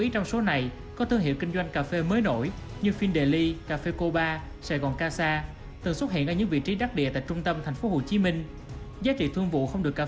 một tỷ usd từ xuất khẩu sầu riêng